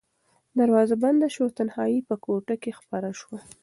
دروازه بنده شوه او تنهایي بیا په کوټه کې خپره شوه.